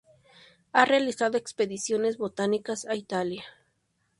Ha realizado expediciones botánicas a Italia.